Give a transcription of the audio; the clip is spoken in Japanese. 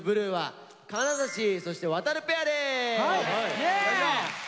イエーイ。